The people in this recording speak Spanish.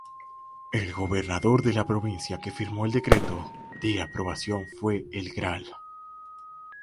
El Gobernador de la Provincia que firmó el decreto de aprobación fue el Gral.